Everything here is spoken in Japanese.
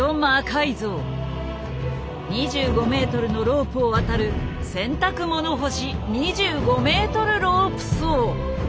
２５ｍのロープを渡る洗濯物干し２５ｍロープ走。